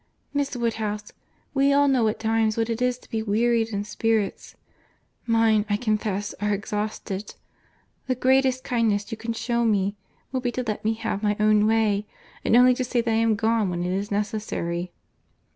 —Miss Woodhouse, we all know at times what it is to be wearied in spirits. Mine, I confess, are exhausted. The greatest kindness you can shew me, will be to let me have my own way, and only say that I am gone when it is necessary."